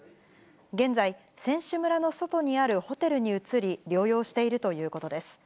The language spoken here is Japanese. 現在、選手村の外にあるホテルに移り、療養しているということです。